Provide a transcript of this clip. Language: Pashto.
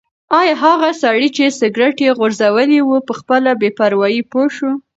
ایا هغه سړی چې سګرټ یې غورځولی و په خپله بې پروايي پوه شو؟